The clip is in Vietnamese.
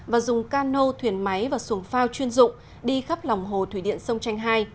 và dùng cano thuyền máy và xuồng phao chuyên dụng đi khắp lòng hồ thủy điện sông tranh hai